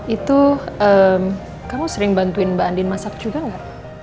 itu kamu sering bantuin mbak andin masak juga nggak